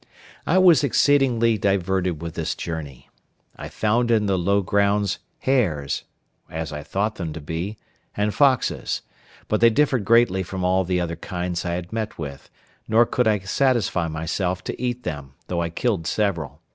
I was exceedingly diverted with this journey. I found in the low grounds hares (as I thought them to be) and foxes; but they differed greatly from all the other kinds I had met with, nor could I satisfy myself to eat them, though I killed several.